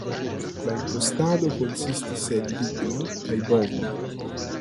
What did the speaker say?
La impostado konsistis el ligno kaj bovoj.